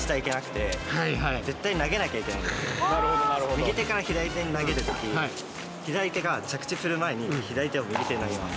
右手から左手に投げる時左手が左手を右手に投げます。